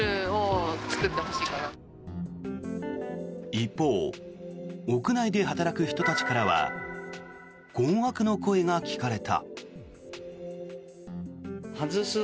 一方、屋内で働く人たちからは困惑の声が聞かれた。